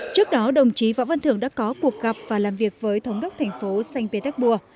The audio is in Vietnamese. trước đó đồng chí võ văn thường đã có cuộc gặp và làm việc với thống đốc thành phố sankt petersburg